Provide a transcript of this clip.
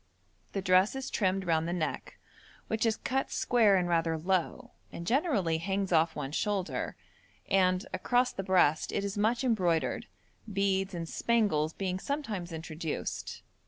The dress is trimmed round the neck, which is cut square and rather low, and generally hangs off one shoulder, and, across the breast it is much embroidered, beads and spangles being sometimes introduced.